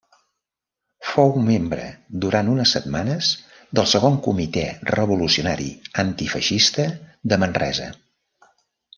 Fou membre durant unes setmanes del segon Comitè Revolucionari Antifeixista de Manresa.